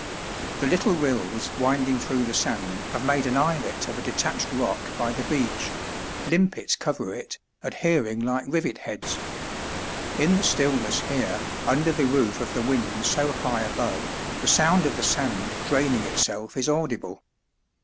The little rills winding through the sand have made an islet of a detached rock by the beach; limpets cover it, adhering like rivet heads. In the stillness here, under the roof of the wind so high above, the sound of the sand draining itself is audible.